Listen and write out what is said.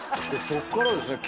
そっからですね